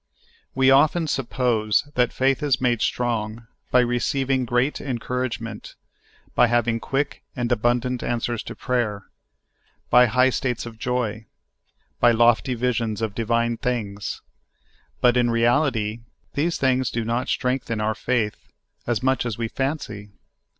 We often suppose that faith is made strong by receiving great encouragement, by having quick and abundant answers to prayer, by high states of joy, by lofty vis 3 34 SOUI. FOOD. ions of divine things ; but in reality these things do not strengthen our faith as much as we fancy.